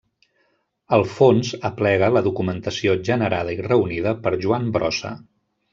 El fons aplega la documentació generada i reunida per Joan Brossa.